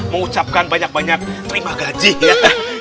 mengucapkan banyak banyak terima gaji ya